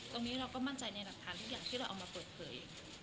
ตรงนี้เราก็มั่นใจในหลักฐานทุกอย่างที่เราเอามาเปิดเผย